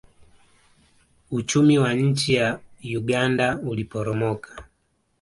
uchumi wa nchi ya uganda uliporomoka